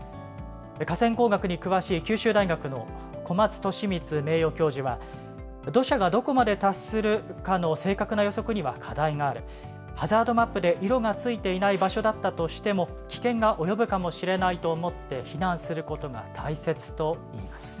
河川工学に詳しい九州大学の小松利光名誉教授は、土砂がどこまで達するかの正確な予測には課題がある、ハザードマップで色がついていない場所だったとしても危険が及ぶかもしれないと思って避難することが大切といいます。